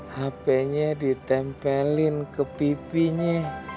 hp nya ditempelin ke pipinya